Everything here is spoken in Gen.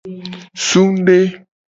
Sungde.